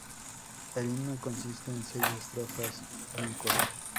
El himno consiste en seis estrofas y un coro.